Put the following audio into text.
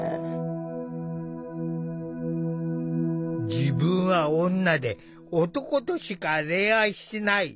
「自分は女で男としか恋愛しない」